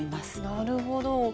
なるほど。